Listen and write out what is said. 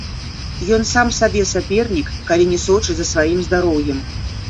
Ён сам сабе сапернік, калі не сочыць за сваім здароўем.